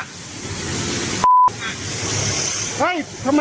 ดูนั่นไงเดี๋ยวเองเจอ